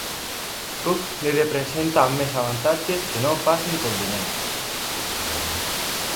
Cook li representa més avantatges que no pas inconvenients.